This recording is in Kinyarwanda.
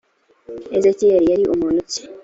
ezekiyeli yari muntu ki ?